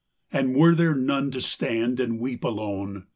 XXI. And were there none, to stand and weep alone.